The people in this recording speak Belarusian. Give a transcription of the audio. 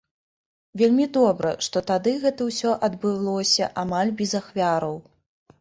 Вельмі добра, што тады гэта ўсё адбылося амаль без ахвяраў.